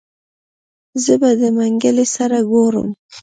زه به د منګلي سره ګورم.